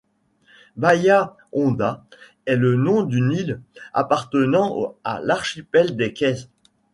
Bahia Honda est le nom d’une île appartenant à l’archipel des Keys.